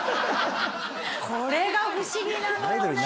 これが不思議なのよね